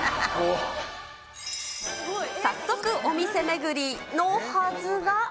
早速お店巡りのはずが。